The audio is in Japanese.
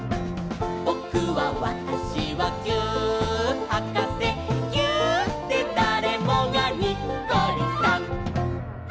「ぼくはわたしはぎゅーっはかせ」「ぎゅーっでだれもがにっこりさん！」